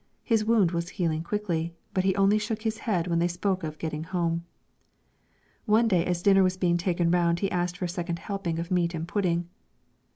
His wound was healing quickly, but he only shook his head when they spoke of getting home. One day as dinner was being taken round he asked for a second helping of meat and pudding.